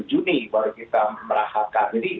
juni baru kita merahakan